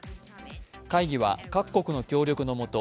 会議は各国の協力のもと